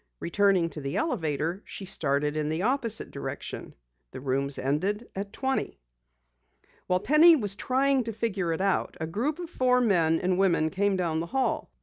Returning to the elevator, she started in the opposite direction. The numbers ended at 20. While Penny was trying to figure it out, a group of four men and women came down the hall.